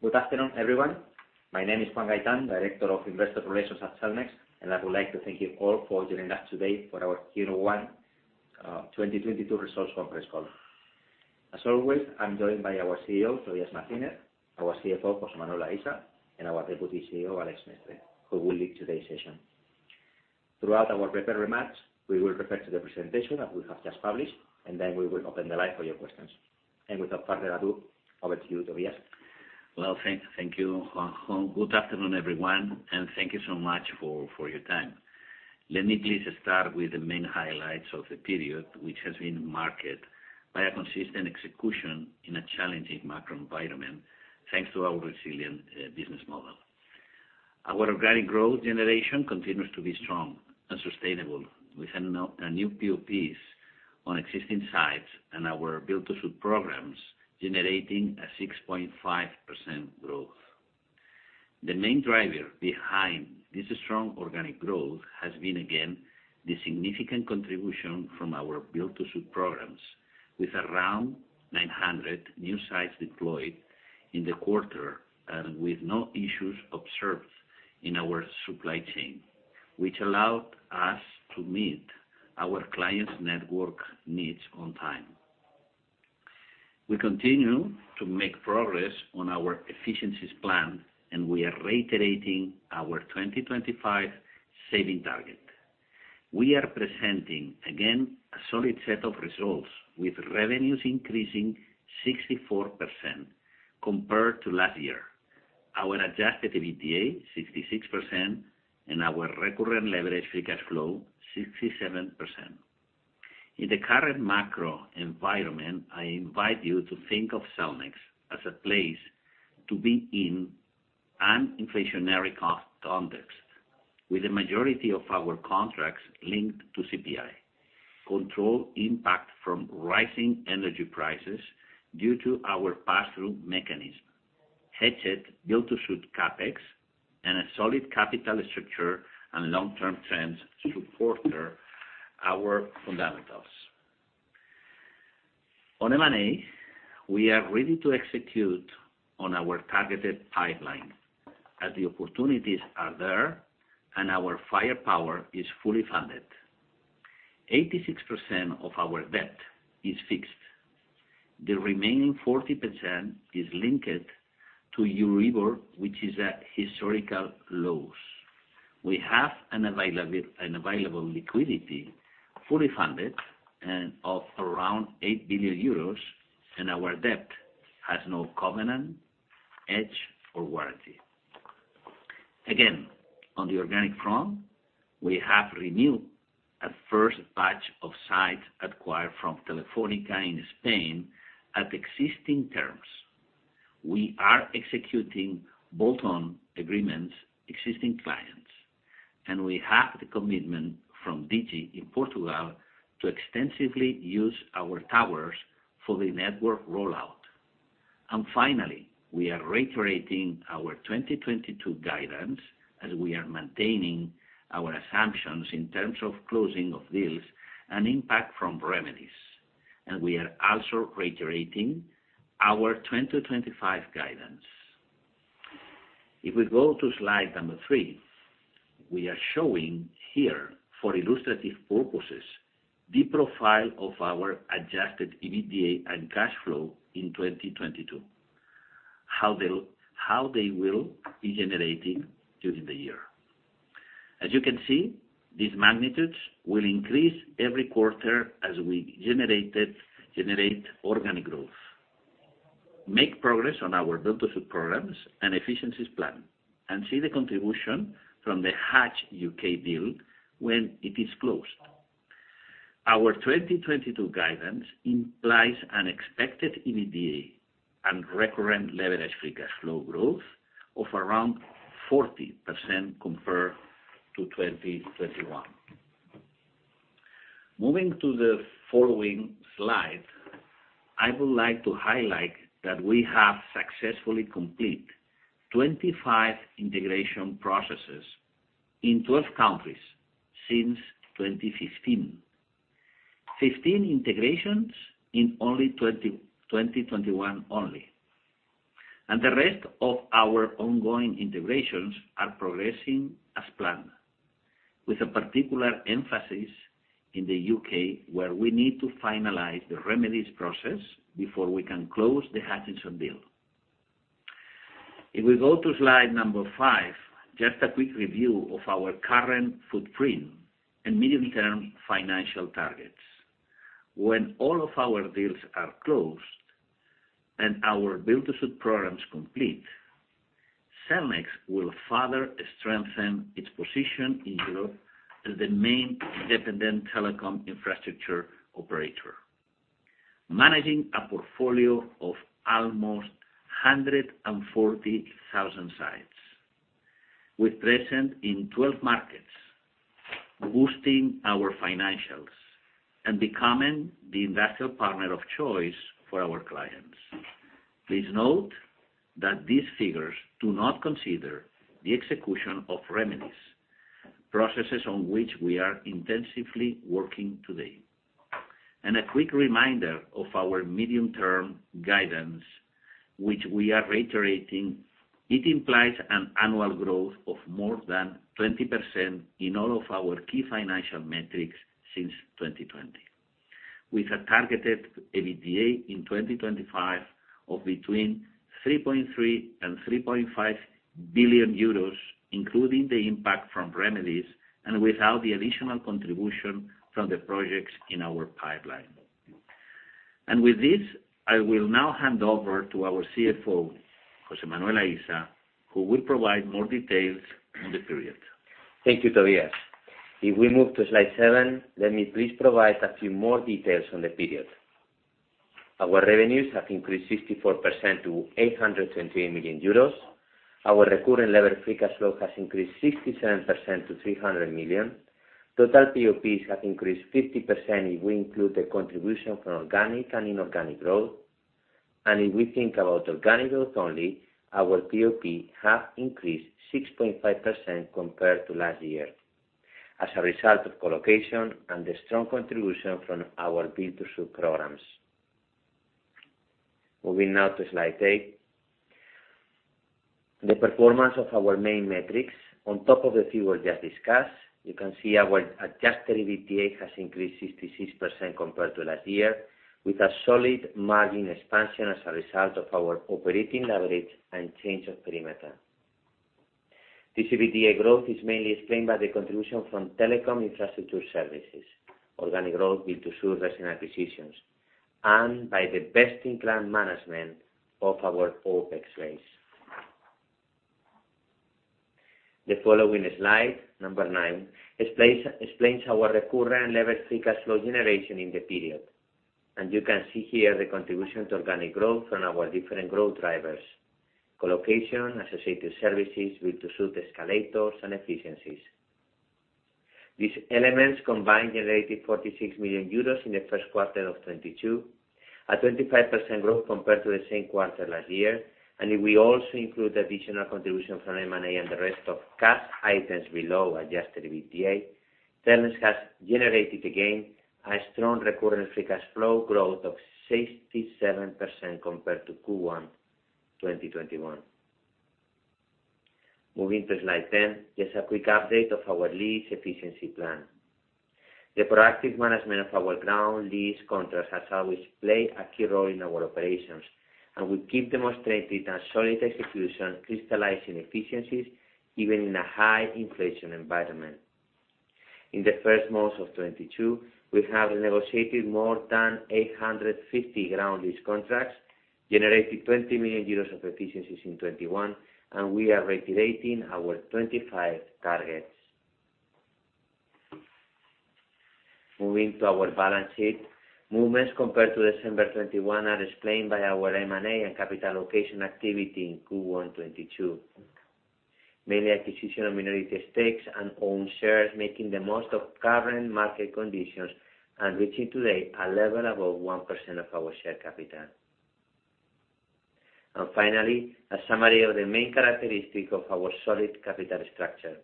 Good afternoon, everyone. My name is Juan Gaitán, Director of Investor Relations at Cellnex, and I would like to thank you all for joining us today for our Q1 2022 results conference call. As always, I'm joined by our CEO, Tobias Martínez, our CFO, José Manuel Aisa, and our Deputy CEO, Alex Mestre, who will lead today's session. Throughout our prepared remarks, we will refer to the presentation that we have just published, and then we will open the line for your questions. Without further ado, over to you, Tobias. Well, thank you, Juan Gaitán. Good afternoon, everyone, and thank you so much for your time. Let me please start with the main highlights of the period, which has been marked by a consistent execution in a challenging macro environment, thanks to our resilient business model. Our organic growth generation continues to be strong and sustainable with new PoPs on existing sites and our build-to-suit programs generating a 6.5% growth. The main driver behind this strong organic growth has been again the significant contribution from our build-to-suit programs with around 900 new sites deployed in the quarter and with no issues observed in our supply chain, which allowed us to meet our clients' network needs on time. We continue to make progress on our efficiencies plan, and we are reiterating our 2025 saving target. We are presenting again a solid set of results with revenues increasing 64% compared to last year. Our adjusted EBITDA 66% and our Recurring Levered Free Cash Flow 67%. In the current macro environment, I invite you to think of Cellnex as a place to be in an inflationary cost context, with the majority of our contracts linked to CPI. Controlled impact from rising energy prices due to our pass-through mechanism, hedged build-to-suit CapEx, and a solid capital structure and long-term trends support our fundamentals. On M&A, we are ready to execute on our targeted pipeline as the opportunities are there and our firepower is fully funded. 86% of our debt is fixed. The remaining 40% is linked to Euribor, which is at historical lows. We have an available liquidity fully funded and of around 8 billion euros, and our debt has no covenant, hedge, or warranty. Again, on the organic front, we have renewed a first batch of sites acquired from Telefónica in Spain at existing terms. We are executing bolt-on agreements with existing clients, and we have the commitment from Digi in Portugal to extensively use our towers for the network rollout. Finally, we are reiterating our 2022 guidance as we are maintaining our assumptions in terms of closing of deals and impact from remedies. We are also reiterating our 2025 guidance. If we go to slide number three, we are showing here, for illustrative purposes, the profile of our adjusted EBITDA and cash flow in 2022, how they will be generating during the year. As you can see, these magnitudes will increase every quarter as we generate organic growth, make progress on our build-to-suit programs and efficiencies plan, and see the contribution from the Hutch U.K. deal when it is closed. Our 2022 guidance implies an expected EBITDA and recurring levered free cash flow growth of around 40% compared to 2021. Moving to the following slide, I would like to highlight that we have successfully completed 25 integration processes in 12 countries since 2015. 15 integrations in only 2021. The rest of our ongoing integrations are progressing as planned, with a particular emphasis in the U.K., where we need to finalize the remedies process before we can close the Hutchison deal. If we go to slide number 5, just a quick review of our current footprint and medium-term financial targets. When all of our deals are closed and our build-to-suit programs complete, Cellnex will further strengthen its position in Europe as the main independent telecom infrastructure operator, managing a portfolio of almost 140,000 sites, with presence in 12 markets, boosting our financials and becoming the industrial partner of choice for our clients. Please note that these figures do not consider the execution of remedies, processes on which we are intensively working today. A quick reminder of our medium-term guidance, which we are reiterating. It implies an annual growth of more than 20% in all of our key financial metrics since 2020. With a targeted EBITDA in 2025 of between 3.3 billion and 3.5 billion euros, including the impact from remedies and without the additional contribution from the projects in our pipeline. With this, I will now hand over to our CFO, José Manuel Aisa, who will provide more details on the period. Thank you, Tobias. If we move to slide seven, let me please provide a few more details on the period. Our revenues have increased 64% to 828 million euros. Our recurring levered free cash flow has increased 67% to 300 million. Total PoPs have increased 50% if we include the contribution from organic and inorganic growth. If we think about organic growth only, our PoP have increased 6.5% compared to last year, as a result of colocation and the strong contribution from our build-to-suit programs. Moving now to slide eight. The performance of our main metrics on top of the few we just discussed. You can see our adjusted EBITDA has increased 66% compared to last year, with a solid margin expansion as a result of our operating leverage and change of perimeter. This EBITDA growth is mainly explained by the contribution from telecom infrastructure services, organic growth build-to-suit recent acquisitions, and by the best-in-class management of our OpEx rates. The following slide, number nine, explains our Recurring Levered Free Cash Flow generation in the period. You can see here the contribution to organic growth from our different growth drivers, colocation, associated services, build-to-suit escalators, and efficiencies. These elements combined generated 46 million euros in the first quarter of 2022, a 25% growth compared to the same quarter last year. If we also include the additional contribution from M&A and the rest of cash items below adjusted EBITDA, Cellnex has generated again a strong Recurring Levered Free Cash Flow growth of 67% compared to Q1 2021. Moving to slide 10. Just a quick update of our lease efficiency plan. The proactive management of our ground lease contracts has always played a key role in our operations, and we keep demonstrating a solid execution, crystallizing efficiencies even in a high inflation environment. In the first months of 2022, we have negotiated more than 850 ground lease contracts, generating 20 million euros of efficiencies in 2021, and we are reiterating our 2025 targets. Moving to our balance sheet. Movements compared to December 2021 are explained by our M&A and capital allocation activity in Q1 2022. Mainly acquisition of minority stakes and own shares, making the most of current market conditions and reaching today a level above 1% of our share capital. Finally, a summary of the main characteristic of our solid capital structure.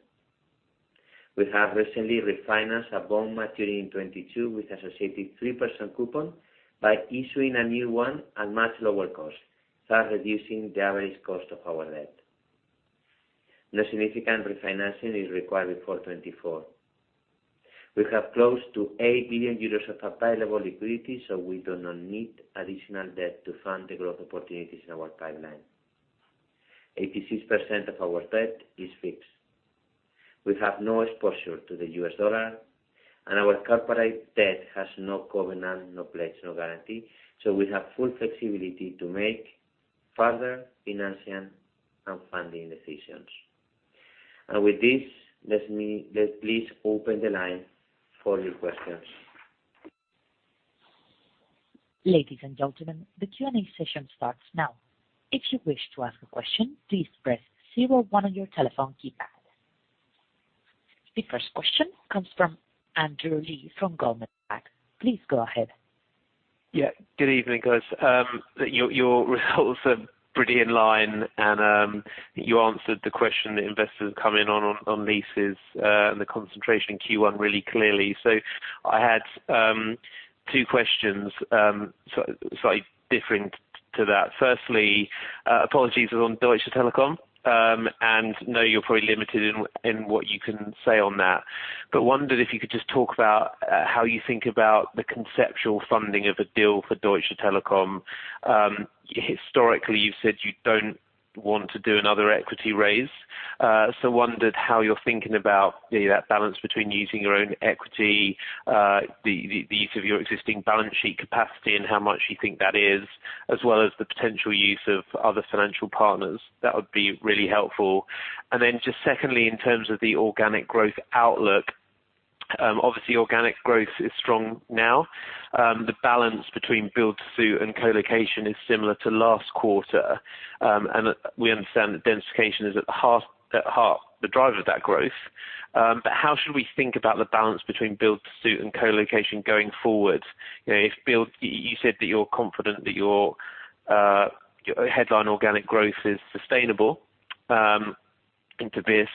We have recently refinanced a bond maturing in 2022 with associated 3% coupon by issuing a new one at much lower cost, thus reducing the average cost of our debt. No significant refinancing is required before 2024. We have close to 8 billion euros of available liquidity, so we do not need additional debt to fund the growth opportunities in our pipeline. 86% of our debt is fixed. We have no exposure to the U.S. dollar, and our corporate debt has no covenant, no pledge, no guarantee, so we have full flexibility to make further financing and funding decisions. With this, please open the line for your questions. Ladies and gentlemen, the Q&A session starts now. If you wish to ask a question, please press zero one on your telephone keypad. The first question comes from Andrew Lee from Goldman Sachs. Please go ahead. Yeah. Good evening, guys. Your results are pretty in line and you answered the question that investors come in on leases, and the concentration in Q1 really clearly. I had two questions, slightly different to that. Firstly, apologies on Deutsche Telekom. Know you're probably limited in what you can say on that. Wondered if you could just talk about how you think about the conceptual funding of a deal for Deutsche Telekom. Historically, you've said you don't want to do another equity raise. Wondered how you're thinking about that balance between using your own equity, the use of your existing balance sheet capacity and how much you think that is, as well as the potential use of other financial partners. That would be really helpful. Just secondly, in terms of the organic growth outlook, obviously organic growth is strong now. The balance between build-to-suit and colocation is similar to last quarter. We understand that densification is at the heart the driver of that growth. But how should we think about the balance between build-to-suit and colocation going forward? You know, you said that you're confident that your headline organic growth is sustainable. Tobias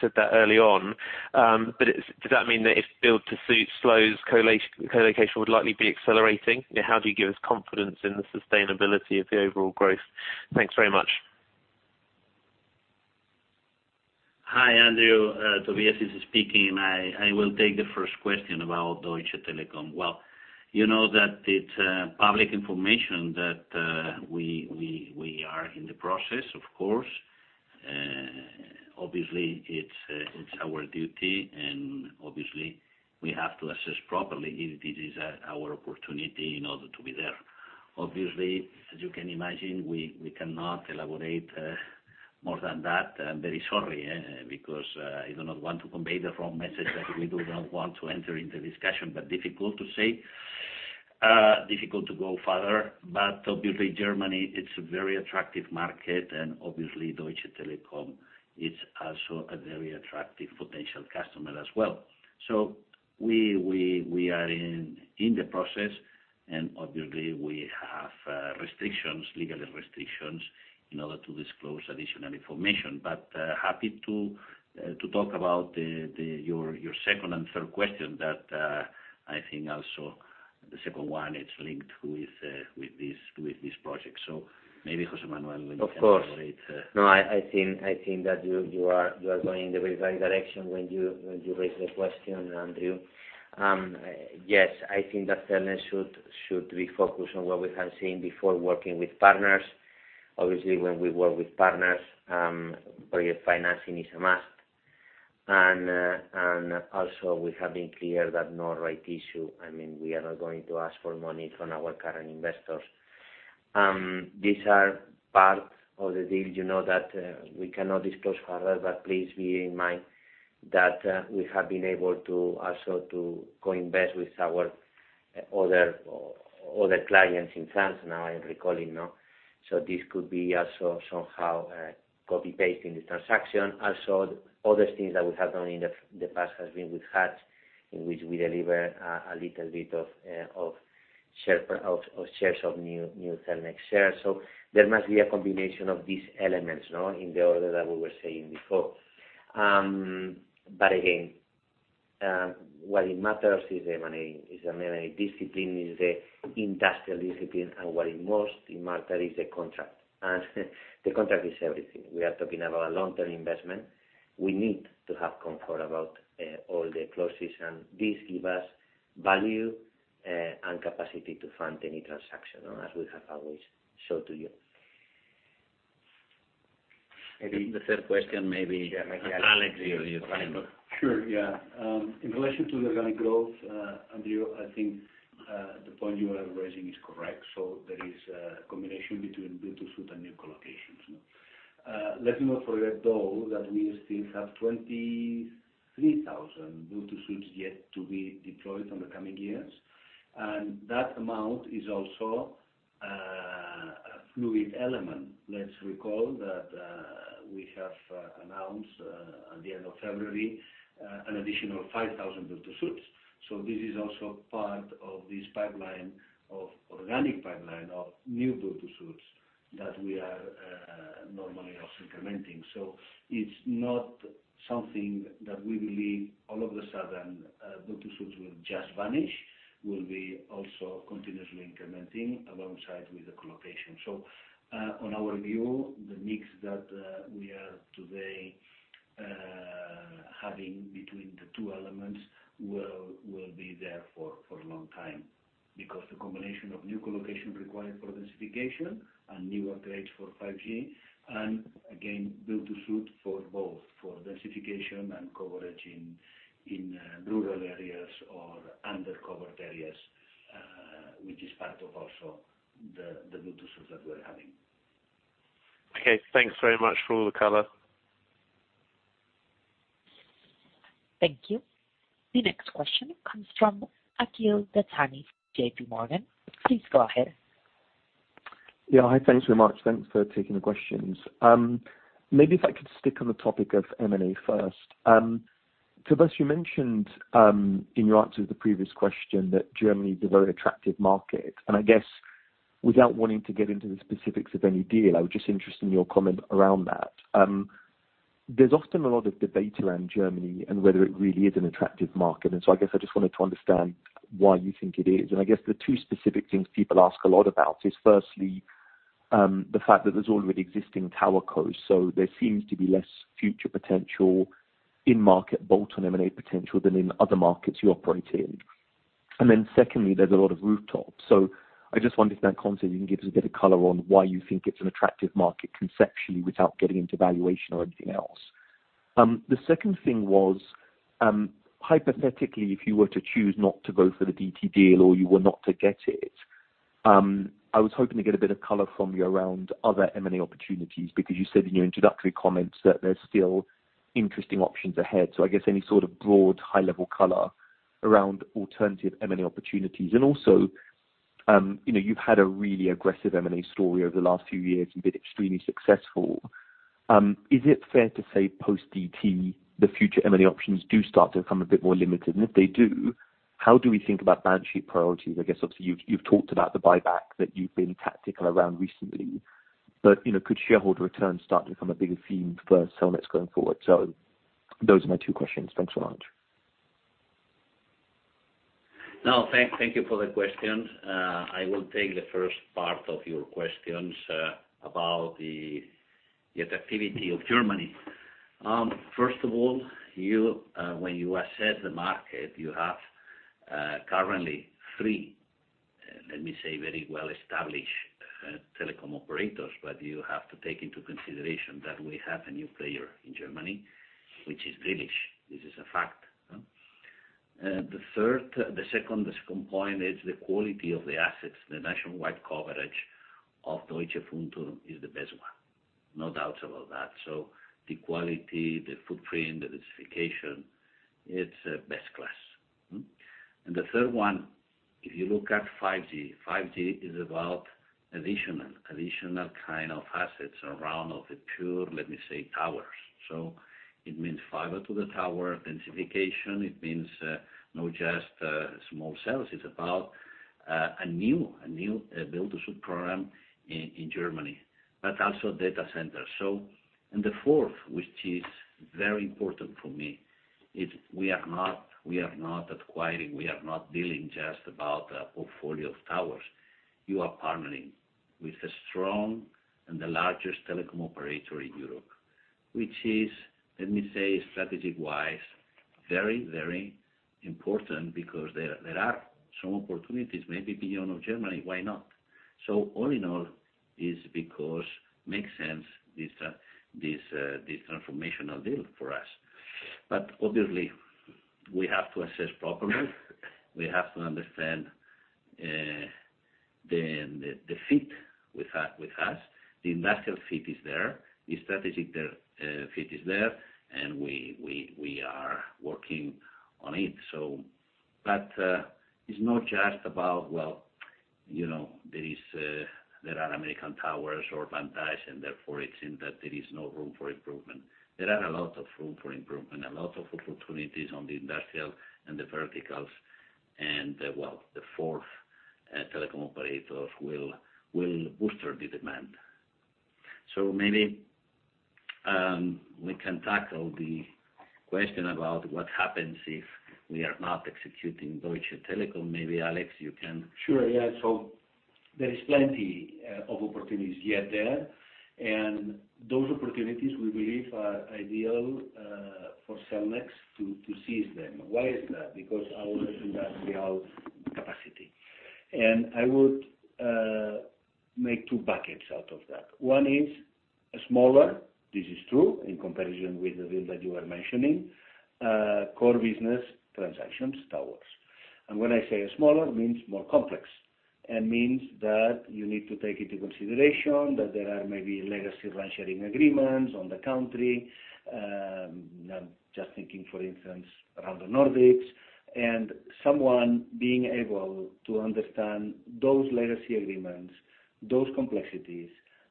said that early on. Does that mean that if build-to-suit slows colocation would likely be accelerating? You know, how do you give us confidence in the sustainability of the overall growth? Thanks very much. Hi, Andrew. Tobias is speaking. I will take the first question about Deutsche Telekom. Well, you know that it's public information that we are in the process, of course. Obviously, it's our duty, and obviously we have to assess properly if this is our opportunity in order to be there. Obviously, as you can imagine, we cannot elaborate more than that. I'm very sorry, because I do not want to convey the wrong message that we do not want to enter into discussion, but difficult to say. Difficult to go further, but obviously Germany, it's a very attractive market, and obviously Deutsche Telekom is also a very attractive potential customer as well. We are in the process, and obviously we have restrictions, legal restrictions in order to disclose additional information. Happy to talk about your second and third question that I think also the second one is linked with this project. Maybe José Manuel can elaborate. Of course. No, I think that you are going in the very right direction when you raise the question, Andrew. Yes, I think that Cellnex should be focused on what we have seen before working with partners. Obviously, when we work with partners, project financing is a must. Also we have been clear that no rights issue. I mean, we are not going to ask for money from our current investors. These are part of the deals, you know that, we cannot disclose forever. Please bear in mind that, we have been able to also co-invest with our other clients in France now I'm recalling, no? This could be also somehow copy-pasting the transaction. Other things that we have done in the past has been with Hutchison, in which we deliver a little bit of shares of new Cellnex shares. There must be a combination of these elements, you know, in the order that we were saying before. But again, what it matters is the money, is the money discipline, is the industrial discipline, and what it most matter is the contract. The contract is everything. We are talking about a long-term investment. We need to have comfort about all the clauses, and this give us value and capacity to fund any transaction as we have always showed to you. Maybe the third question, maybe Alex. Sure. Yeah. In relation to the organic growth, Andrew, I think the point you are raising is correct. There is a combination between build-to-suit and new collocations. Let's not forget, though, that we still have 23,000 build-to-suits yet to be deployed on the coming years. That amount is also a fluid element. Let's recall that we have announced at the end of February an additional 5,000 build-to-suits. This is also part of this pipeline of organic pipeline of new build-to-suits that we are normally also incrementing. It's not something that we believe all of a sudden build-to-suits will just vanish. We'll be also continuously incrementing alongside with the colocation. On our view, the mix that we are today having between the two elements will be there for a long time. Because the combination of new colocation required for densification and new upgrades for 5G, and again, build-to-suit for both, for densification and coverage in rural areas or undercovered areas, which is also part of the build-to-suits that we're having. Okay, thanks very much for all the color. Thank you. The next question comes from Akhil Dattani, JPMorgan. Please go ahead. Yeah. Hi, thanks very much. Thanks for taking the questions. Maybe if I could stick on the topic of M&A first. Tobías, you mentioned in your answer to the previous question that Germany is a very attractive market. I guess without wanting to get into the specifics of any deal, I was just interested in your comment around that. There's often a lot of debate around Germany and whether it really is an attractive market. I guess I just wanted to understand why you think it is. I guess the two specific things people ask a lot about is firstly, the fact that there's already existing tower cos, so there seems to be less future potential in market bolt-on M&A potential than in other markets you operate in. Secondly, there's a lot of rooftops. I just wondered if that concept, you can give us a bit of color on why you think it's an attractive market conceptually without getting into valuation or anything else. The second thing was, hypothetically, if you were to choose not to go for the DT deal or you were not to get it, I was hoping to get a bit of color from you around other M&A opportunities because you said in your introductory comments that there's still interesting options ahead. I guess any sort of broad high-level color around alternative M&A opportunities. Also, you know, you've had a really aggressive M&A story over the last few years. You've been extremely successful. Is it fair to say post-DT, the future M&A options do start to become a bit more limited? And if they do, how do we think about balance sheet priorities? I guess obviously, you've talked about the buyback that you've been tactical around recently, but, you know, could shareholder returns start to become a bigger theme for Cellnex going forward? Those are my two questions. Thanks so much. No, thank you for the question. I will take the first part of your questions about the activity of Germany. First of all, when you assess the market, you have currently three, let me say, very well-established telecom operators, but you have to take into consideration that we have a new player in Germany, which is 1&1. This is a fact. The second point is the quality of the assets. The nationwide coverage of Deutsche Funkturm is the best one. No doubts about that. The quality, the footprint, the densification, it's best in class. The third one, if you look at 5G. 5G is about additional kind of assets around the pure, let me say, towers. It means fiber to the tower, densification. It means not just small cells. It's about a new build to suit program in Germany, but also data centers. The fourth, which is very important for me, is we are not acquiring, we are not dealing just about a portfolio of towers. You are partnering with a strong and the largest telecom operator in Europe, which is, let me say, strategic-wise, very important because there are some opportunities, maybe beyond Germany. Why not? All in all, is because makes sense, this transformational deal for us. But obviously we have to assess properly. We have to understand the fit with us. The industrial fit is there, the strategic fit is there, and we are working on it. It's not just about there are American Towers or Vantage Towers, and therefore it's in fact that there is no room for improvement. There are a lot of room for improvement, a lot of opportunities on the industrial and the verticals and the fourth telecom operators will boost the demand. We can tackle the question about what happens if we are not executing Deutsche Telekom. Maybe, Alex, you can Sure, yeah. There is plenty of opportunities yet there, and those opportunities we believe are ideal for Cellnex to seize them. Why is that? Because our industrial capacity, and I would make two buckets out of that. One is a smaller, this is true in comparison with the deal that you are mentioning, core business transactions towers. When I say smaller, means more complex and means that you need to take into consideration that there are maybe legacy rent-sharing agreements on the country. I'm just thinking, for instance, around the Nordics, and someone being able to understand those legacy agreements, those complexities,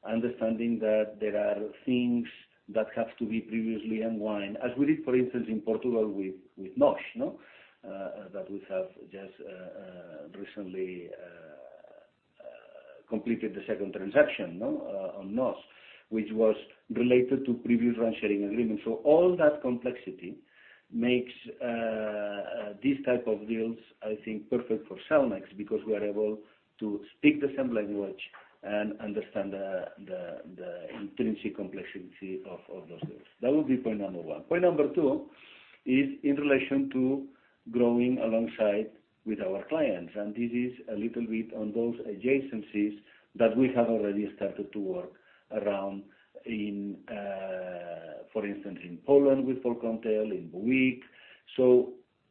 understanding that there are things that have to be previously unwind as we did, for instance, in Portugal with NOS, no? That we have just recently completed the second transaction on NOS, which was related to previous rent-sharing agreements. All that complexity makes these type of deals, I think, perfect for Cellnex, because we are able to speak the same language and understand the intrinsic complexity of those deals. That would be point number one. Point number two is in relation to growing alongside with our clients, and this is a little bit on those adjacencies that we have already started to work around in, for instance, in Poland with Polkomtel, in Bouygues.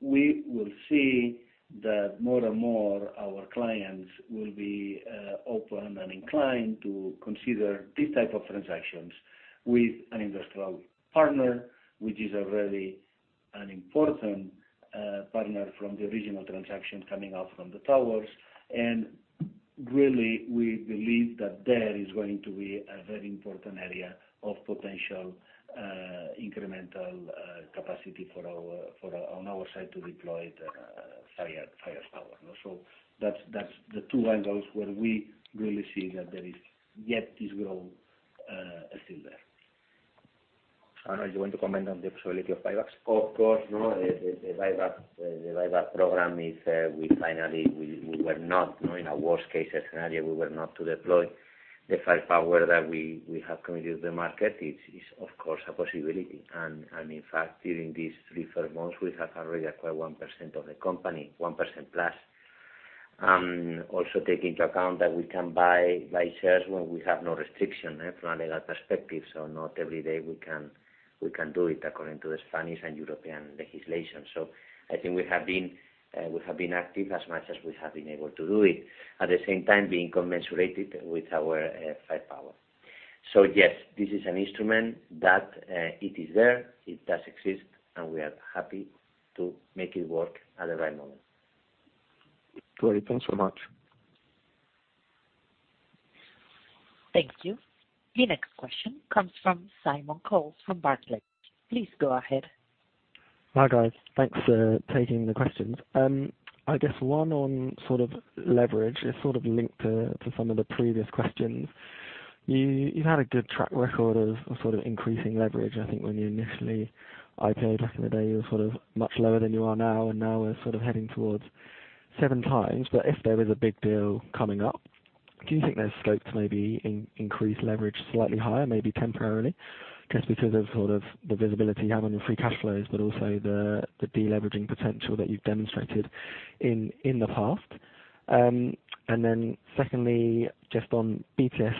We will see that more and more our clients will be open and inclined to consider these type of transactions with an industrial partner, which is already an important partner from the original transaction coming out from the towers. Really, we believe that there is going to be a very important area of potential incremental capacity on our side to deploy the firepower. That's the two angles where we really see that there is yet this growth is still there. José Manuel Aisa, do you want to comment on the possibility of buybacks? Of course, you know, the buyback program is we were not, you know, in a worst-case scenario, we were not to deploy the firepower that we have committed to the market. It's of course a possibility. In fact, during these first three months, we have already acquired 1% of the company, 1% plus. Also take into account that we can buy shares when we have no restriction from another perspective. Not every day we can do it according to the Spanish and European legislation. I think we have been active as much as we have been able to do it. At the same time being commensurate with our firepower. Yes, this is an instrument that, it is there, it does exist, and we are happy to make it work at the right moment. Great. Thanks so much. Thank you. The next question comes from Simon Coles from Barclays. Please go ahead. Hi, guys. Thanks for taking the questions. I guess one on sort of leverage is sort of linked to some of the previous questions. You had a good track record of sort of increasing leverage. I think when you initially IPO'd back in the day, you were sort of much lower than you are now, and now we're sort of heading towards 7x. If there is a big deal coming up, do you think there's scope to maybe increase leverage slightly higher, maybe temporarily, just because of sort of the visibility you have on your free cash flows, but also the deleveraging potential that you've demonstrated in the past? Secondly, just on BTS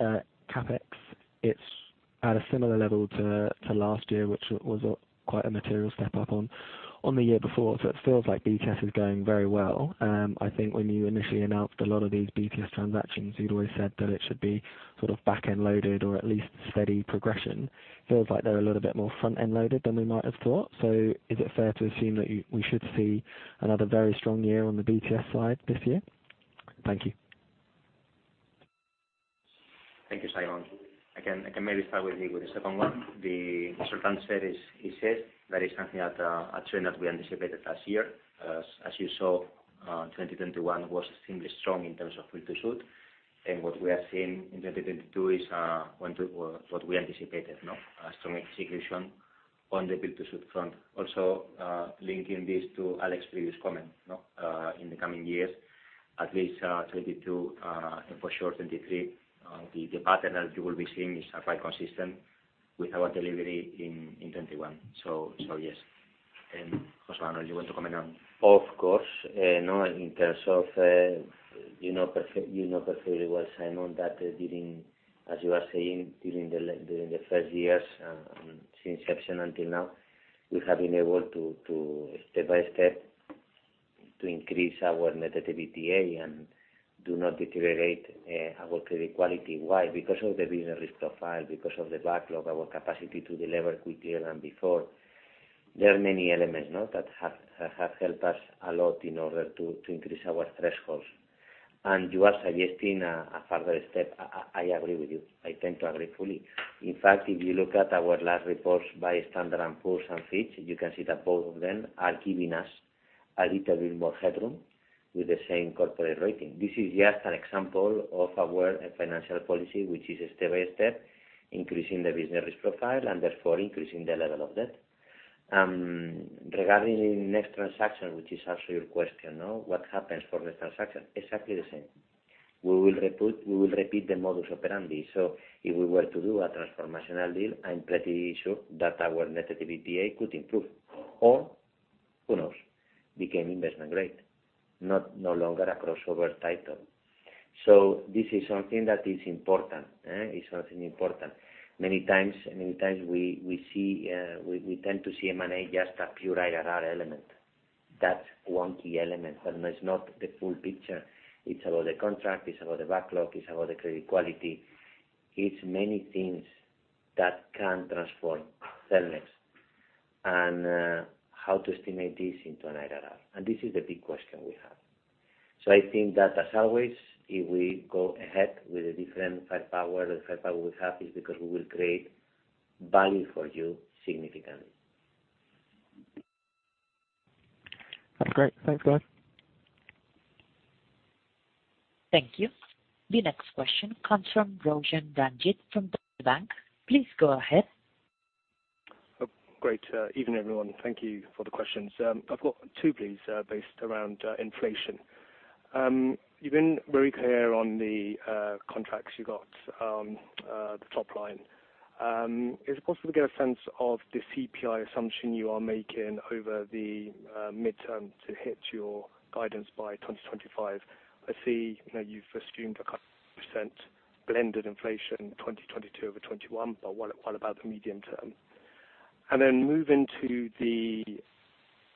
CapEx, it's at a similar level to last year, which was quite a material step-up on the year before. It feels like BTS is going very well. I think when you initially announced a lot of these BTS transactions, you'd always said that it should be sort of back-end loaded or at least steady progression. Feels like they're a little bit more front-end loaded than we might have thought. Is it fair to assume that we should see another very strong year on the BTS side this year? Thank you. Thank you, Simon. Again, I can maybe start with you with the second one. The certain series he says there is something at a trend that we anticipated last year. As you saw, 2021 was extremely strong in terms of build to suit. What we have seen in 2022 is what we anticipated, no? A strong execution on the build to suit front. Also, linking this to Alex's previous comment, no? In the coming years at least, 2022 and for sure 2023, the pattern that you will be seeing is quite consistent with our delivery in 2021. Yes. José Manuel, you want to comment on? Of course. No, in terms of, you know perfectly well, Simon, that during, as you are saying, during the first years since inception until now, we have been able to step by step to increase our net debt to EBITDA and do not deteriorate our credit quality. Why? Because of the business risk profile, because of the backlog, our capacity to deliver quicker than before. There are many elements, no? That have helped us a lot in order to increase our thresholds. You are suggesting a further step. I agree with you. I tend to agree fully. In fact, if you look at our last reports by Standard & Poor's and Fitch, you can see that both of them are giving us a little bit more headroom with the same corporate rating. This is just an example of our financial policy, which is step by step increasing the business risk profile and therefore increasing the level of debt. Regarding next transaction, which is also your question, no? What happens for the transaction? Exactly the same. We will repeat the modus operandi. If we were to do a transformational deal, I'm pretty sure that our net debt to EBITDA could improve. Or who knows, become investment grade, no longer a crossover. This is something that is important. It's something important. Many times we tend to see M&A just a pure IRR element. That's one key element, but it's not the full picture. It's about the contract, it's about the backlog, it's about the credit quality. It's many things that can transform Cellnex. How to estimate this into an IRR. This is the big question we have. I think that as always, if we go ahead with a different firepower, the firepower we have is because we will create value for you significantly. That's great. Thanks, guys. Thank you. The next question comes from Roshan Ranjit from Deutsche Bank. Please go ahead. Great. Evening, everyone. Thank you for the questions. I've got two, please, based around inflation. You've been very clear on the contracts you got, the top line. Is it possible to get a sense of the CPI assumption you are making over the medium term to hit your guidance by 2025? I see, you know, you've assumed a couple% blended inflation in 2022 over 2021, but what about the medium term? Moving to the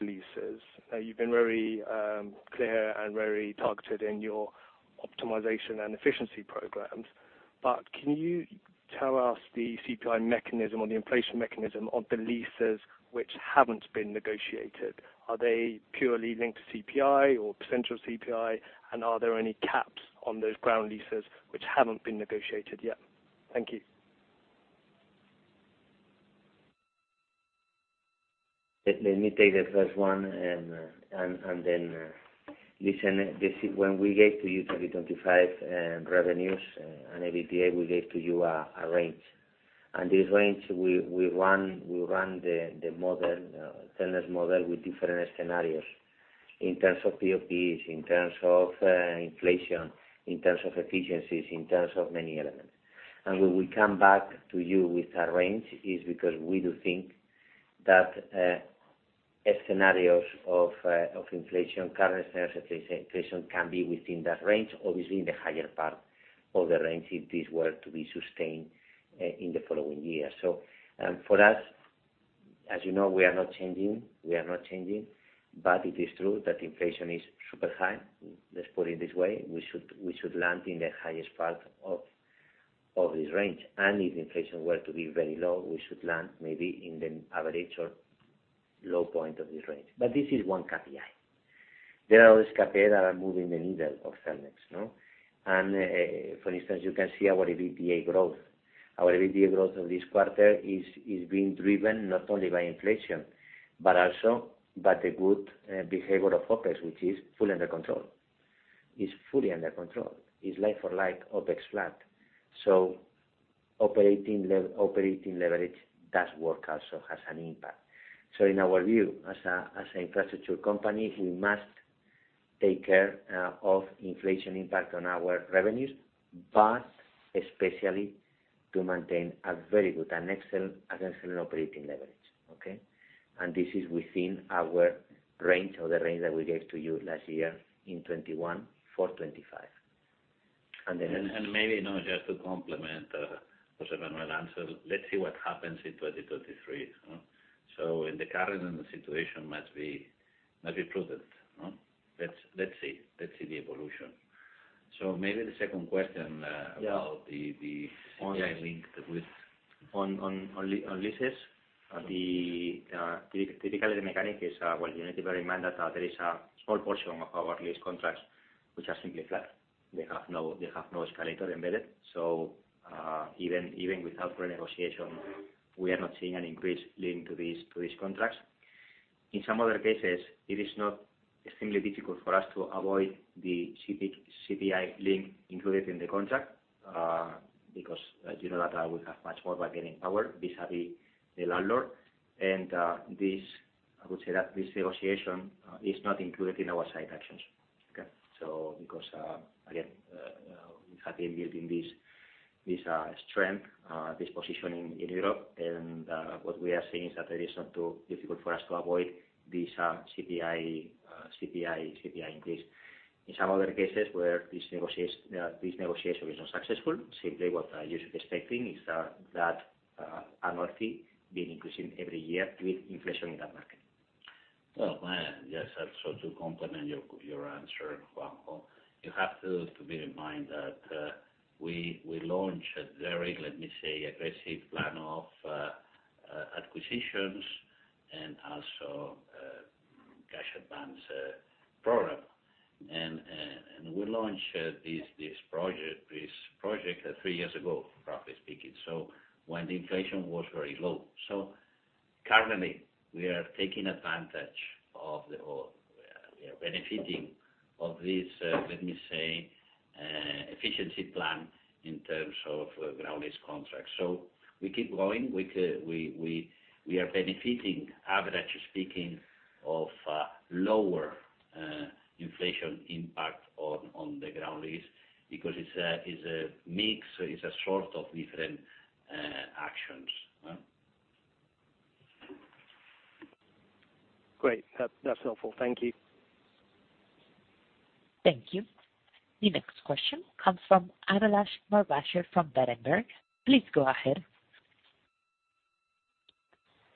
leases. Now, you've been very clear and very targeted in your optimization and efficiency programs. Can you tell us the CPI mechanism or the inflation mechanism of the leases which haven't been negotiated? Are they purely linked to CPI or potential CPI? Are there any caps on those ground leases which haven't been negotiated yet? Thank you. Let me take the first one then. Listen, this is when we gave to you 2025 revenues and EBITDA, we gave to you a range. This range, we ran the Cellnex model with different scenarios in terms of PoPs, in terms of inflation, in terms of efficiencies, in terms of many elements. When we come back to you with a range, is because we do think that scenarios of inflation, current inflation can be within that range, obviously in the higher part of the range, if this were to be sustained in the following years. For us, as you know, we are not changing. It is true that inflation is super high. Let's put it this way, we should land in the highest part of this range. If inflation were to be very low, we should land maybe in the average or low point of this range. This is one KPI. There are other KPIs that are moving the needle of Cellnex, no? For instance, you can see our EBITDA growth. Our EBITDA growth of this quarter is being driven not only by inflation, but also by the good behavior of OpEx, which is fully under control. It's like for like OpEx flat. Operating leverage does work also, has an impact. In our view, as an infrastructure company, we must take care of inflation impact on our revenues, but especially to maintain a very good and excellent operating leverage. Okay? This is within our range or the range that we gave to you last year in 2021 for 2025. Maybe, you know, just to complement José Manuel's answer, let's see what happens in 2023. In the current situation must be prudent, no? Let's see the evolution. Maybe the second question. Yeah. About the CPI link with on leases. Typically, the mechanic is, well, you need to bear in mind that there is a small portion of our lease contracts which are simply flat. They have no escalator embedded. Even without pre-negotiation, we are not seeing an increase linked to these contracts. In some other cases, it is not extremely difficult for us to avoid the CPI link included in the contract, because, you know that, we have much more bargaining power vis-a-vis the landlord. This, I would say that this negotiation is not included in our side actions. Okay? Because, again, we have been building this strength, this positioning in Europe. What we are seeing is that it is not too difficult for us to avoid this CPI increase. In some other cases where this negotiation is not successful, simply what you should be expecting is that annuity being increasing every year with inflation in that market. Well, yes. To complement your answer, Juan. You have to bear in mind that we launched a very, let me say, aggressive plan of acquisitions and also cash advance program. We launched this project three years ago, roughly speaking. When the inflation was very low. Currently, we are benefiting from this, let me say, efficiency plan in terms of ground lease contracts. We keep going. We are benefiting, on average speaking, from lower inflation impact on the ground lease because it's a mix, it's a sort of different actions. Great. That's helpful. Thank you. Thank you. The next question comes from Abhilash Mohapatra from Berenberg. Please go ahead.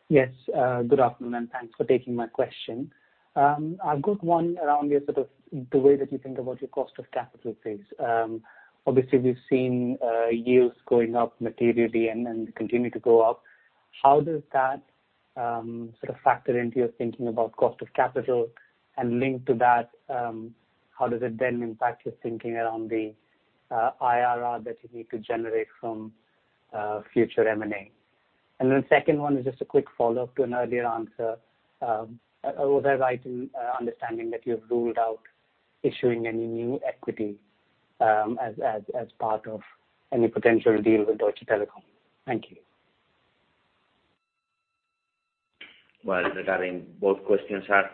Yes. Good afternoon, and thanks for taking my question. I've got one around your sort of the way that you think about your cost of capital please. Obviously, we've seen yields going up materially and continue to go up. How does that sort of factor into your thinking about cost of capital? And linked to that, how does it then impact your thinking around the IRR that you need to generate from future M&A? And then second one is just a quick follow-up to an earlier answer. Was I right in understanding that you've ruled out issuing any new equity as part of any potential deal with Deutsche Telekom? Thank you. Well, regarding both questions are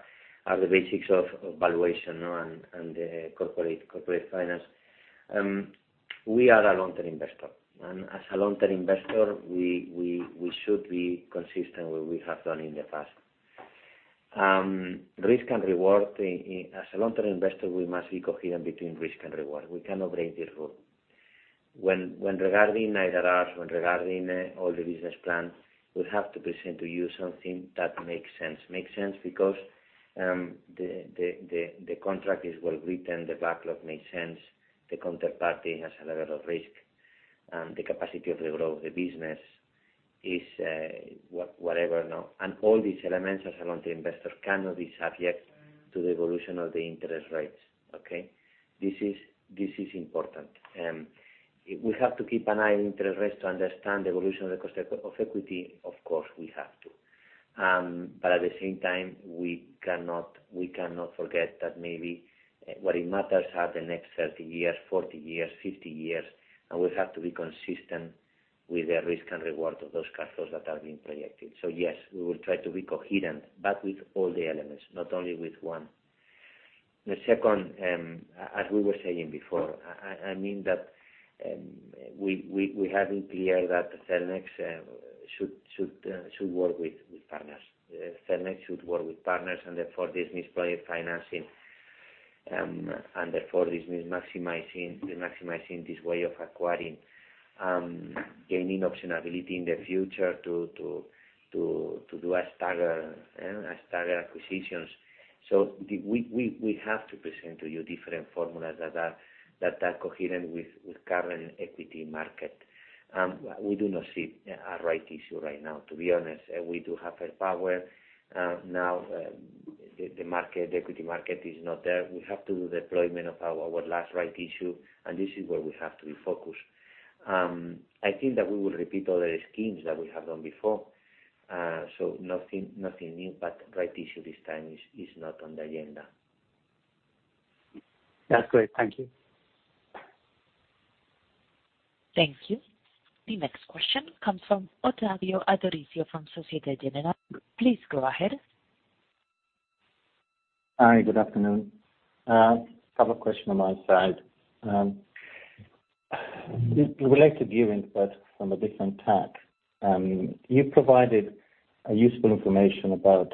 the basics of valuation and corporate finance. We are a long-term investor. As a long-term investor, we should be consistent what we have done in the past. Risk and reward. As a long-term investor, we must be coherent between risk and reward. We cannot break this rule. When regarding IRRs, when regarding all the business plan, we have to present to you something that makes sense. Makes sense because the contract is well written, the backlog makes sense, the counterparty has a level of risk, the capacity of the growth of the business is whatever, no? All these elements, as a long-term investor, cannot be subject to the evolution of the interest rates. Okay? This is important. We have to keep an eye on interest rates to understand the evolution of the cost of equity. Of course, we have to. At the same time, we cannot forget that maybe what it matters are the next 30 years, 40 years, 50 years, and we have to be consistent with the risk and reward of those cash flows that are being projected. Yes, we will try to be coherent, but with all the elements, not only with one. The second, as we were saying before, I mean that we have it clear that Cellnex should work with partners. Cellnex should work with partners and therefore this means project financing. Therefore this means maximizing this way of acquiring, gaining optionality in the future to do staggered acquisitions. We have to present to you different formulas that are coherent with current equity market. We do not see a rights issue right now, to be honest. We do have a plan now. The market, the equity market is not there. We have to do deployment of our last rights issue, and this is where we have to be focused. I think that we will repeat all the schemes that we have done before. Nothing new, but rights issue this time is not on the agenda. That's great. Thank you. Thank you. The next question comes from Ottavio Adorisio from Société Générale. Please go ahead. Hi, good afternoon. I have a question on my side. It's related to you, but from a different tack. You provided useful information about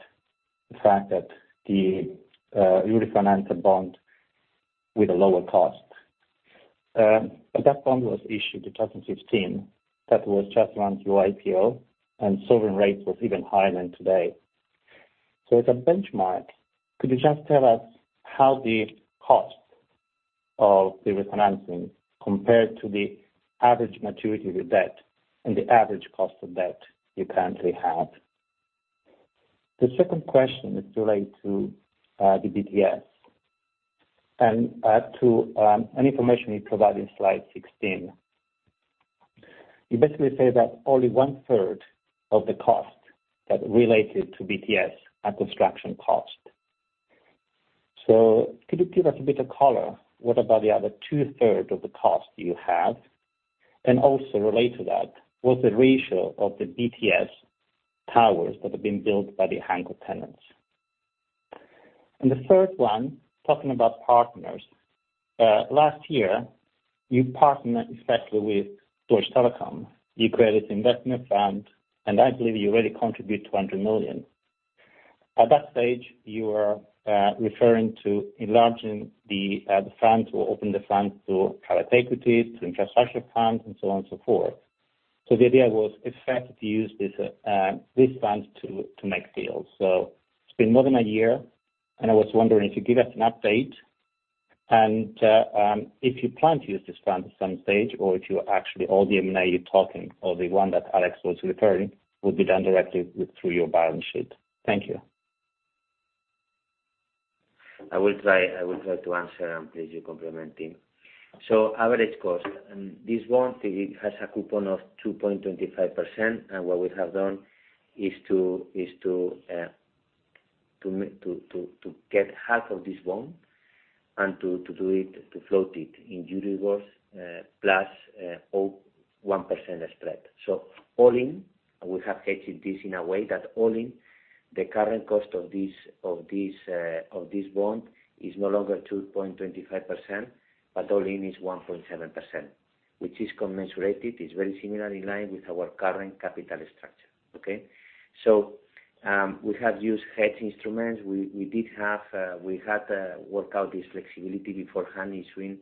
the fact that you refinanced the bond with a lower cost. But that bond was issued 2016. That was just around your IPO, and sovereign rates was even higher than today. So as a benchmark, could you just tell us how the cost of the refinancing compared to the average maturity of your debt and the average cost of debt you currently have? The second question is related to the BTS and to an information you provide in slide 16. You basically say that only one-third of the cost that related to BTS are construction cost. Could you give us a bit of color, what about the other two-thirds of the cost you have? Also related to that, what's the ratio of the BTS towers that have been built by the anchor tenants? The third one, talking about partners. Last year, you partnered especially with Deutsche Telekom. You created investment fund, and I believe you already contribute 200 million. At that stage, you were referring to enlarging the fund, to open the fund to private equity, to infrastructure funds, and so on and so forth. The idea was effective to use this fund to make deals. It's been more than a year, and I was wondering if you give us an update, and if you plan to use this fund at some stage or if you actually all the M&A you're talking or the one that Alex was referring will be done directly with through your balance sheet. Thank you. I will try to answer and please the compliance team. Average cost. This bond, it has a coupon of 2.25%, and what we have done is to get half of this bond and to do it, to float it in Euribor plus 0.1% spread. All in, we have hedged this in a way that all in the current cost of this bond is no longer 2.25%, but all in is 1.7%, which is commensurate, it's very similarly in line with our current capital structure. Okay. We have used hedge instruments. We did have worked out this flexibility beforehand issuing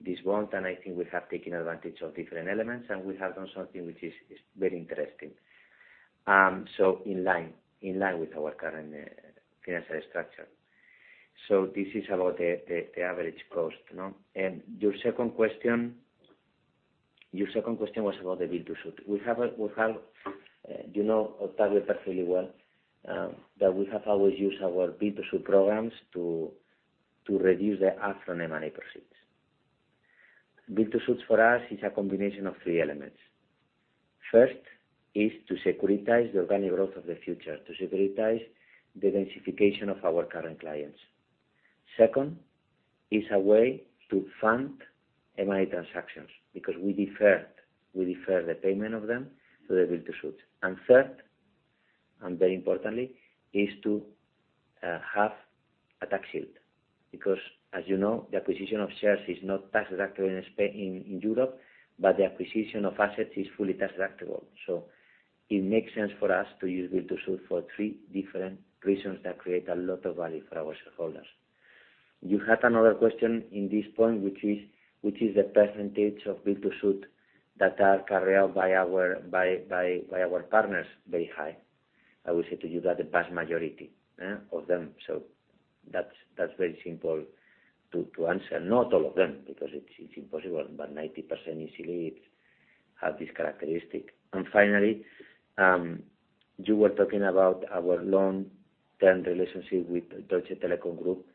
this bond, and I think we have taken advantage of different elements, and we have done something which is very interesting. In line with our current financial structure. This is about the average cost, you know. Your second question was about the build-to-suit. You know, Ottavio, perfectly well that we have always used our build-to-suit programs to reduce the upfront M&A proceeds. Build-to-suits for us is a combination of three elements. First is to securitize the organic growth of the future, to securitize the densification of our current clients. Second is a way to fund M&A transactions because we defer the payment of them to the build-to-suit. Third, and very importantly, is to have a tax shield. Because as you know, the acquisition of shares is not tax deductible in Europe, but the acquisition of assets is fully tax deductible. It makes sense for us to use build-to-suit for three different reasons that create a lot of value for our shareholders. You had another question in this point, which is the percentage of build-to-suit that are carried out by our partners very high. I will say to you that the vast majority, yeah, of them. That's very simple to answer. Not all of them, because it's impossible, but 90% easily it has this characteristic. Finally, you were talking about our long-term relationship with Deutsche Telekom Group.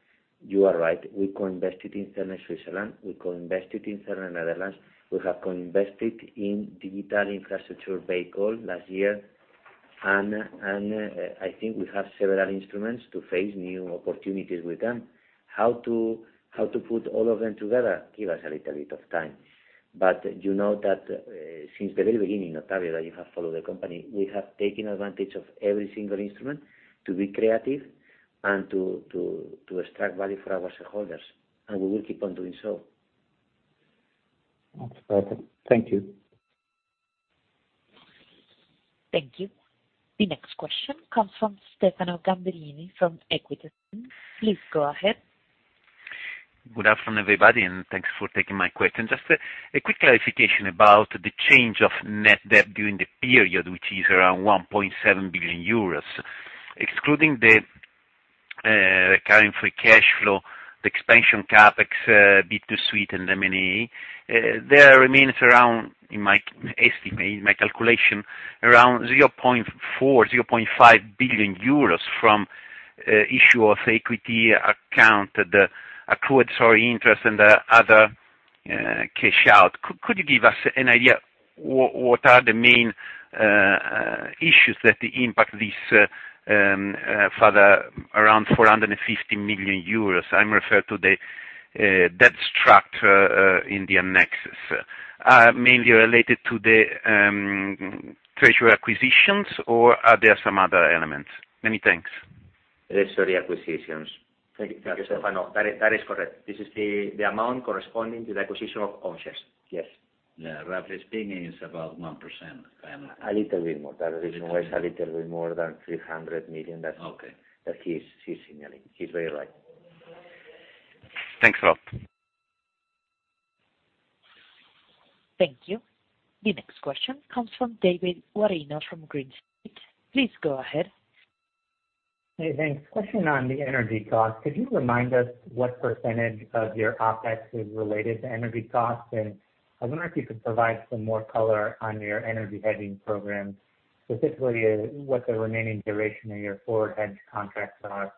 You are right. We co-invested in Swiss Towers. We co-invested in Cellnex Netherlands. We have co-invested in Digital Infrastructure Vehicle last year. I think we have several instruments to face new opportunities with them. How to put all of them together? Give us a little bit of time. You know that, since the very beginning, Ottavio, that you have followed the company, we have taken advantage of every single instrument to be creative and to extract value for our shareholders, and we will keep on doing so. That's perfect. Thank you. Thank you. The next question comes from Stefano Gamberini from Equita SIM. Please go ahead. Good afternoon, everybody, and thanks for taking my question. Just a quick clarification about the change of net debt during the period, which is around 1.7 billion euros. Excluding the current free cash flow, the expansion CapEx, BTS and M&A, there remains around, in my estimate, in my calculation, around 0.4 billion-0.5 billion euros from issue of equity accounting, the accrued interest and the other cash out. Could you give us an idea what are the main issues that impact this further around 450 million euros? I'm referring to the debt structure in the annex. Mainly related to the treasury acquisitions or are there some other elements? Many thanks. It's the acquisitions. Thank you. That is correct. This is the amount corresponding to the acquisition of On Tower Portugal. Yes. Yeah. Roughly speaking, it's about 1%. A little bit more. The reason why it's a little bit more than 300 million that. Okay. That he's signaling. He's very right. Thanks a lot. Thank you. The next question comes from David Guarino from Green Street. Please go ahead. Hey, thanks. Question on the energy cost. Could you remind us what percentage of your OpEx is related to energy costs? And I wonder if you could provide some more color on your energy hedging program, specifically what the remaining duration of your forward hedge contracts are.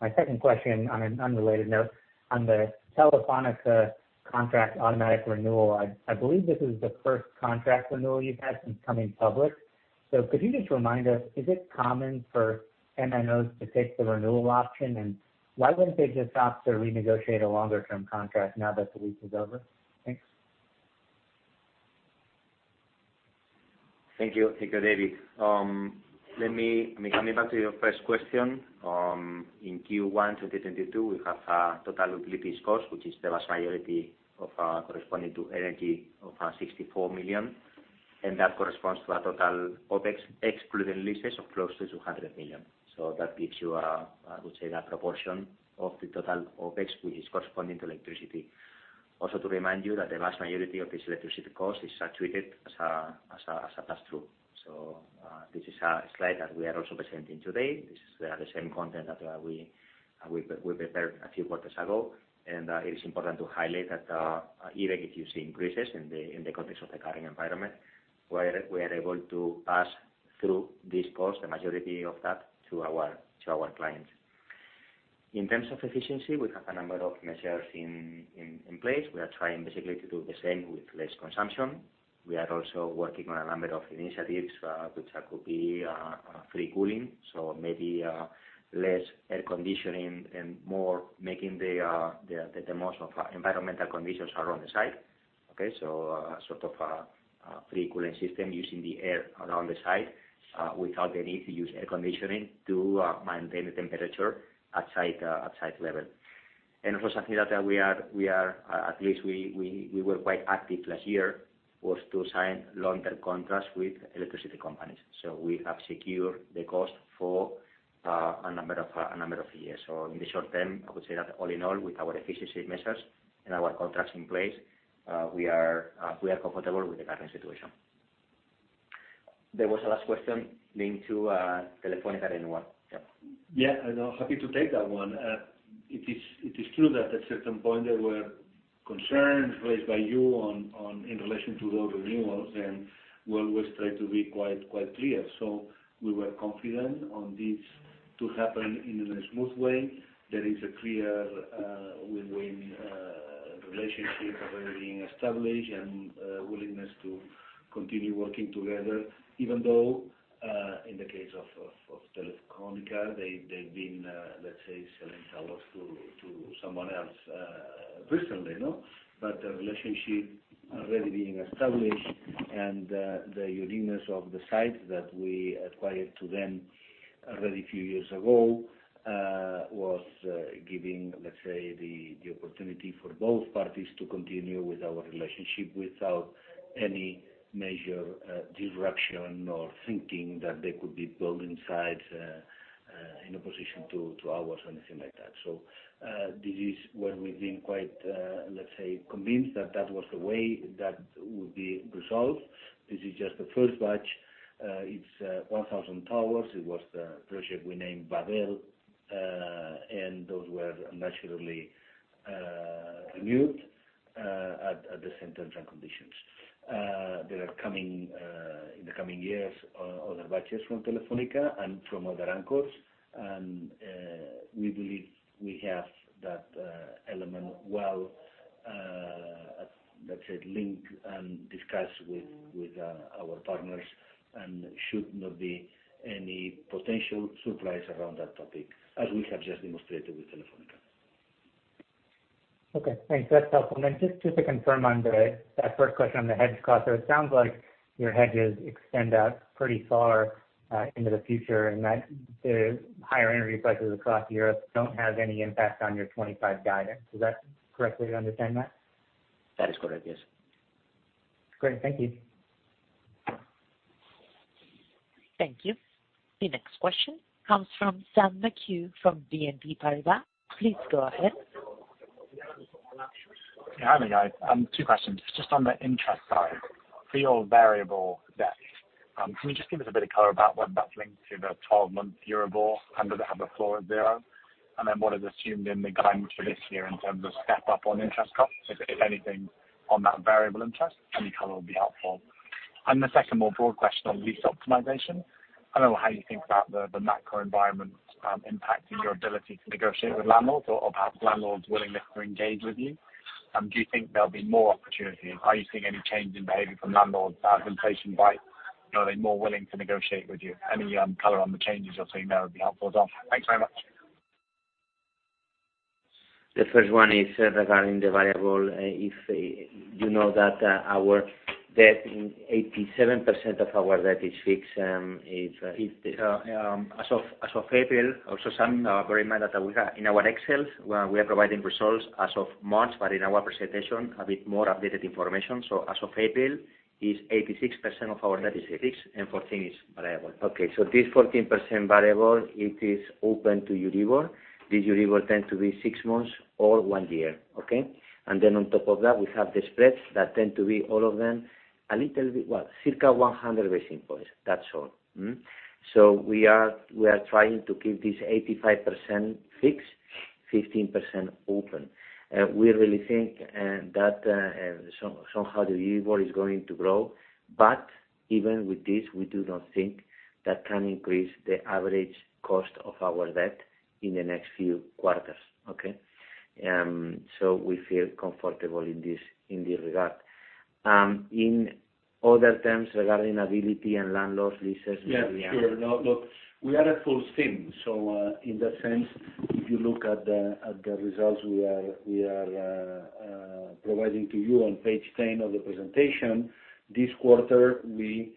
My second question on an unrelated note, on the Telefónica contract automatic renewal, I believe this is the first contract renewal you've had since coming public. Could you just remind us, is it common for MNOs to take the renewal option, and why wouldn't they just opt to renegotiate a longer-term contract now that the lease is over? Thanks. Thank you. Thank you, David. Let me, coming back to your first question. In Q1 2022, we have a total utilities cost, which is the vast majority of our corresponding to energy of 64 million. That corresponds to a total OpEx excluding leases of close to 200 million. That gives you a, I would say that proportion of the total OpEx, which is corresponding to electricity. Also to remind you that the vast majority of this electricity cost is treated as a pass-through. This is a slide that we are also presenting today. This is the same content that we prepared a few quarters ago. It is important to highlight that even if you see increases in the context of the current environment, where we are able to pass through this cost, the majority of that to our clients. In terms of efficiency, we have a number of measures in place. We are trying basically to do the same with less consumption. We are also working on a number of initiatives which could be free cooling, so maybe less air conditioning and more making the most of environmental conditions around the site. Sort of free cooling system using the air around the site without the need to use air conditioning to maintain the temperature at site level. Also something that at least we were quite active last year, was to sign long-term contracts with electricity companies. We have secured the cost for a number of years. In the short term, I would say that all in all, with our efficiency measures and our contracts in place, we are comfortable with the current situation. There was a last question linked to Telefónica renewal. Yeah. Yeah. I'm happy to take that one. It is true that at certain point there were concerns raised by you on in relation to those renewals, and we always try to be quite clear. We were confident on this to happen in a smooth way. There is a clear win-win relationship already being established and willingness to continue working together, even though in the case of Telefónica, they have been, let's say, selling towers to someone else recently, you know. The relationship already being established and the uniqueness of the sites that we acquired from them a few years ago was giving, let's say the opportunity for both parties to continue with our relationship without any major disruption or thinking that they could be building sites in opposition to ours or anything like that. This is where we've been quite, let's say convinced that that was the way that would be resolved. This is just the first batch. It's 1,000 towers. It was the project we named Babel. And those were naturally renewed at the same terms and conditions. There are coming in the coming years other batches from Telefónica and from other anchors. We believe we have that element well, let's say linked and discussed with our partners and should not be any potential surprise around that topic, as we have just demonstrated with Telefónica. Okay, thanks. That's helpful. Then just to confirm on that first question on the hedge cost. So it sounds like your hedges extend out pretty far into the future, and that the higher energy prices across Europe don't have any impact on your 25 guidance. Is that correct to understand that? That is correct, yes. Great. Thank you. Thank you. The next question comes from Sam McHugh from BNP Paribas. Please go ahead. Yeah, hi guys. Two questions. Just on the interest side, for your variable debt, can you just give us a bit of color about whether that's linked to the 12-month Euribor, have a floor of zero? And then what is assumed in the guidance for this year in terms of step up on interest costs, if anything, on that variable interest? Any color would be helpful. The second more broad question on lease optimization, I don't know how you think about the macro environment, impacting your ability to negotiate with landlords or perhaps landlords' willingness to engage with you. Do you think there'll be more opportunities? Are you seeing any change in behavior from landlords as inflation bites? You know, are they more willing to negotiate with you? Any color on the changes you're seeing there would be helpful as well. Thanks very much. The first one is regarding the variable. If you know that 87% of our debt is fixed, as of April, also some very minor that we have. In our Excel's, we are providing results as of March, but in our presentation, a bit more updated information. As of April, 86% of our debt is fixed and 14% is variable. Okay. This 14% variable, it is open to Euribor. This Euribor tends to be six months or one year. Okay? And then on top of that, we have the spreads that tend to be all of them a little bit, circa 100 basis points. That's all. We are trying to keep this 85% fixed, 15% open. We really think that somehow the Euribor is going to grow, but even with this, we do not think that can increase the average cost of our debt in the next few quarters. Okay? We feel comfortable in this regard. In other terms, regarding a BTS and landlords' leases we are at full steam. No, look, we are at full steam. In that sense, if you look at the results we are providing to you on page 10 of the presentation, this quarter, we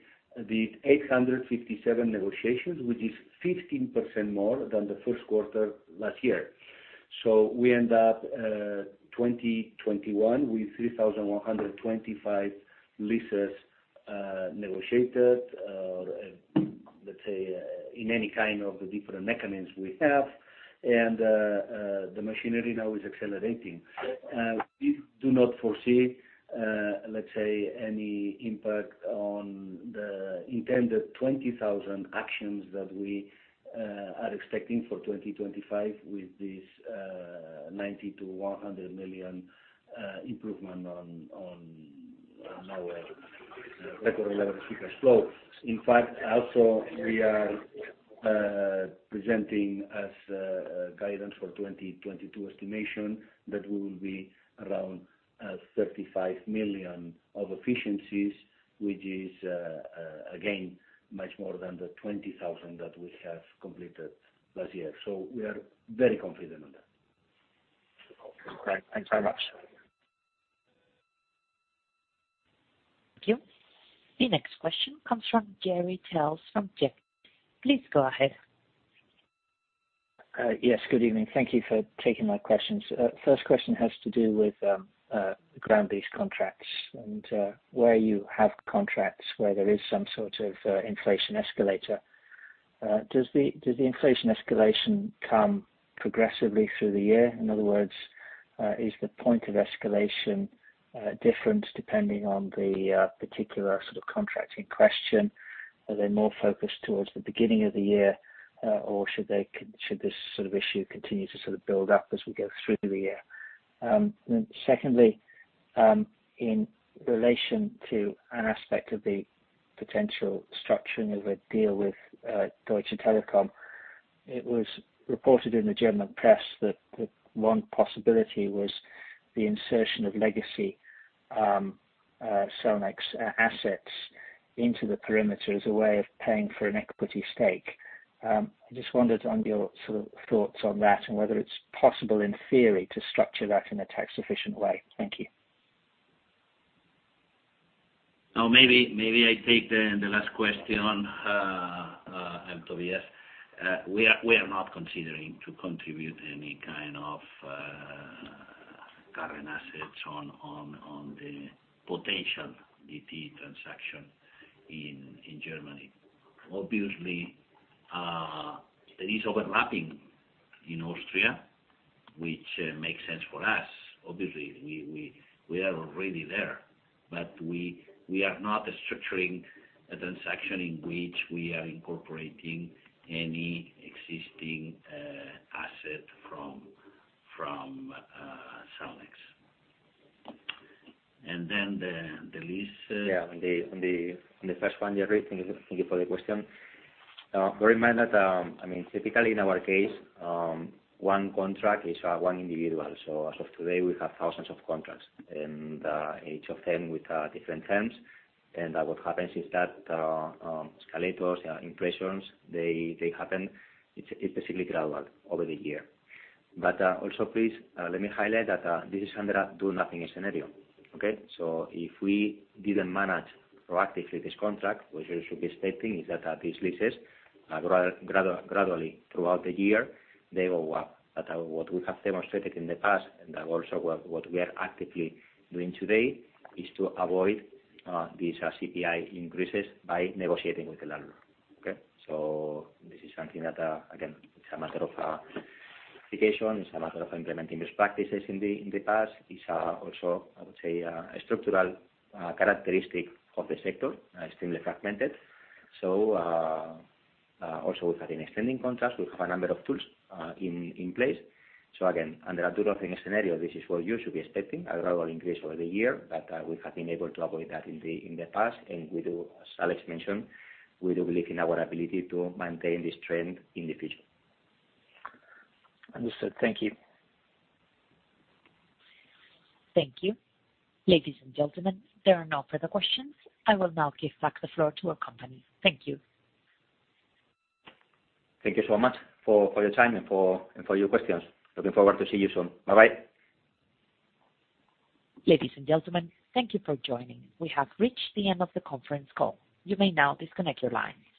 did 857 negotiations, which is 15% more than the first quarter last year. We end up 2021 with 3,125 leases negotiated, let's say, in any kind of the different mechanisms we have. The machinery now is accelerating. We do not foresee, let's say, any impact on the intended 20,000 actions that we are expecting for 2025 with this 90 million-100 million improvement on our record level free cash flow. In fact, also we are presenting as a guidance for 2022 estimation that we will be around 35 million of efficiencies, which is again, much more than the 20,000 that we have completed last year. We are very confident on that. Okay. Thanks very much. Thank you. The next question comes from Jerry Dellis from Jefferies. Please go ahead. Yes. Good evening. Thank you for taking my questions. First question has to do with ground lease contracts and where you have contracts where there is some sort of inflation escalator. Does the inflation escalation come progressively through the year? In other words, is the point of escalation different depending on the particular sort of contract in question? Are they more focused towards the beginning of the year, or should this sort of issue continue to sort of build up as we go through the year? Secondly, in relation to an aspect of the potential structuring of a deal with Deutsche Telekom, it was reported in the German press that one possibility was the insertion of legacy Cellnex assets into the perimeter as a way of paying for an equity stake. I just wondered on your sort of thoughts on that and whether it's possible in theory to structure that in a tax-efficient way. Thank you. No, maybe I take the last question, I'm Tobias. We are not considering to contribute any kind of current assets on the potential DT transaction in Germany. Obviously, there is overlapping in Austria, which makes sense for us. Obviously, we are already there. We are not structuring a transaction in which we are incorporating any existing asset from Cellnex. Then the lease. Yeah. On the first one, Gerry, thank you for the question. Bear in mind that, I mean, typically in our case, one contract is one individual. So as of today, we have thousands of contracts and each of them with different terms. What happens is that escalators, inflations, they happen. It's basically gradual over the year. Also please let me highlight that this is under a do nothing scenario. Okay? If we didn't manage proactively this contract, what you should be expecting is that these leases gradually throughout the year, they will work. What we have demonstrated in the past, and also what we are actively doing today is to avoid these CPI increases by negotiating with the landlord. Okay? This is something that again it's a matter of communication. It's a matter of implementing best practices in the past. It's also, I would say, a structural characteristic of the sector extremely fragmented. Also with an extending contract, we have a number of tools in place. Again, under a do-nothing scenario, this is what you should be expecting, a gradual increase over the year. We have been able to avoid that in the past. We do, as Alex mentioned, we do believe in our ability to maintain this trend in the future. Understood. Thank you. Thank you. Ladies and gentlemen, there are no further questions. I will now give back the floor to our company. Thank you. Thank you so much for your time and for your questions. Looking forward to see you soon. Bye-bye. Ladies and gentlemen, thank you for joining. We have reached the end of the conference call. You may now disconnect your lines.